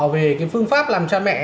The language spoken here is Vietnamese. về cái phương pháp làm cha mẹ